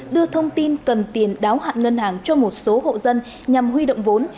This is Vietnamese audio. đưa thông tin cần tiền đáo hạn ngân hàng cho một số hộ dân nhằm huy động vốn